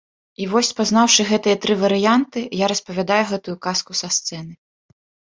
І вось спазнаўшы гэтыя тры варыянты, я распавядаю гэтую казку са сцэны.